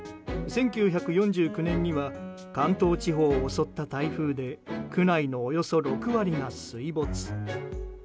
１９４９年には関東地方を襲った台風で区内のおよそ６割が水没。